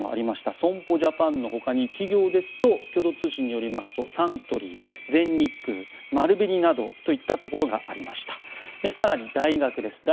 損保ジャパンのほかに企業ですと共同通信によりますとサントリー、全日空、丸紅などがありました。